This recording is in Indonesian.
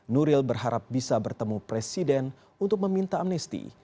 nuril berharap bisa bertemu presiden untuk meminta amnesti